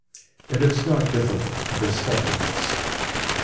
It is not difficult to discover this.